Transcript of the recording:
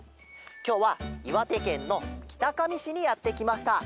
きょうはいわてけんのきたかみしにやってきました。